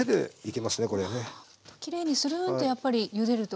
きれいにするんとやっぱりゆでると。